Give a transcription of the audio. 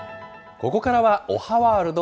ここからはおはワールド。